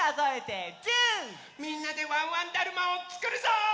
みんなでワンワンだるまをつくるぞ！